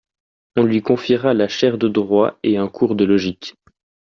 On lui confia la chaire de droit et un cours de logique.